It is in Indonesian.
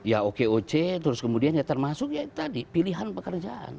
ya okoc terus kemudian ya termasuk ya tadi pilihan pekerjaan